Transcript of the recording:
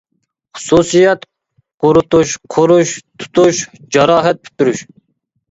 خۇسۇسىيەت قۇرۇتۇش، قورۇش، تۇتۇش، جاراھەت پۈتتۈرۈش.